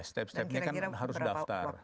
step stepnya kan harus daftar